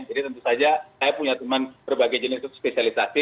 jadi tentu saja saya punya teman berbagai jenis spesialisasi